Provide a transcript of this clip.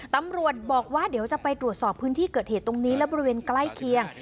ตำรวจบอกว่าเดี๋ยวจะไปตรวจสอบพื้นที่เกิดเหตุตรงนี้และบริเวณใกล้เคียง